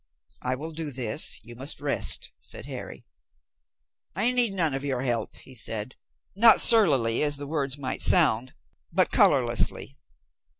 "I will do this. You must rest," said Harry. "I need none of your help," he said, not surlily, as the words might sound, but colorlessly.